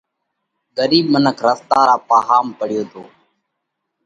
ڳرِيٻ منک رستا را پاهام پڙيو تو۔